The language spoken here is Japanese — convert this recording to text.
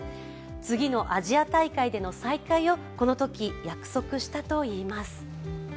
次のアジア大会での再会をこのとき約束したといいます。